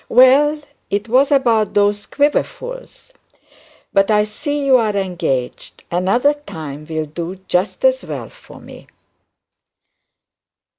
'Well it was about those Quiverfuls but I see you are engaged. Another time will do just as well for me.'